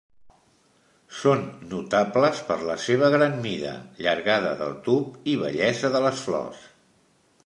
Són notables per la seva gran mida, llargada del tub i bellesa de les flors.